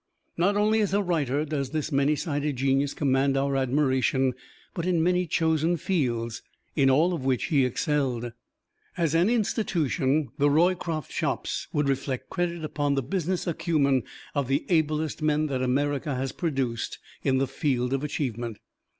Not only as a writer does this many sided genius command our admiration, but in many chosen fields, in all of which he excelled. As an institution, the Roycroft Shops would reflect credit upon the business acumen of the ablest men that America has produced in the field of achievement.